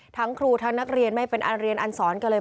ทั้งครูทั้งนักเรียนไม่เป็นอันเรียนอันสอนกันเลย